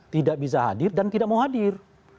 tidak bisa hadir dan tidak mau hadir